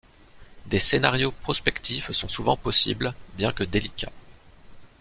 Des scénarios prospectifs sont souvent possibles, bien que délicats.